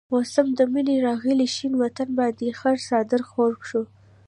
موسم د منی راغي شين وطن باندي خړ څادر خور شو